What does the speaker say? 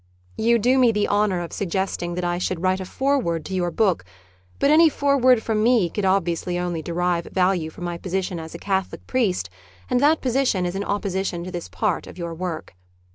You do me the honour of suggesting that I should write a foreword to your book, but any foreword from me could obviously only derive value from my position as a Catholic priest, and that position is in opposition to this part of your work.